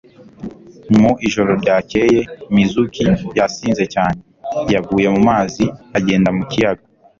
Mu ijoro ryakeye, Mizuki, yasinze cyane, yaguye mu mazi agenda mu kiyaga.